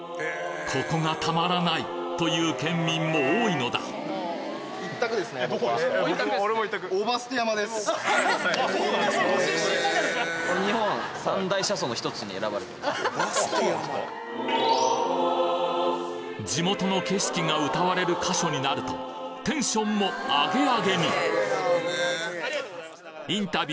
ここがたまらない！という県民も多いのだ地元の景色が歌われる箇所になるとテンションもアゲアゲに！